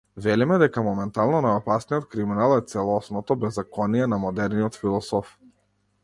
Велиме дека моментално најопасниот криминал е целосното беззаконие на модерниот философ.